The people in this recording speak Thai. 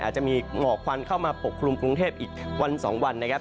อาจจะมีหมอกควันเข้ามาปกคลุมกรุงเทพอีกวัน๒วันนะครับ